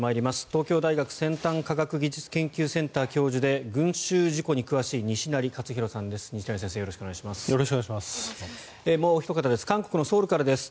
東京大学先端科学技術研究センター教授で群衆事故に詳しい西成活裕さんです。